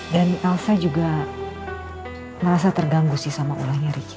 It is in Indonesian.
dan elsa juga merasa terganggu sih sama ulahnya ricky